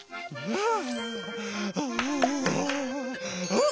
あ！